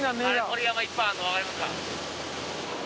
鳥山いっぱいあるの分かりますか？